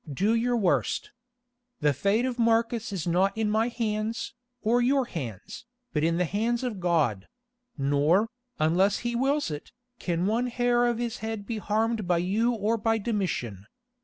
Do your worst. The fate of Marcus is not in my hands, or your hands, but in the hands of God; nor, unless He wills it, can one hair of his head be harmed by you or by Domitian.